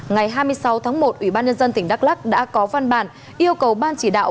ngày hai mươi sáu tháng một ủy ban nhân dân tỉnh đắk lắc đã có văn bản yêu cầu ban chỉ đạo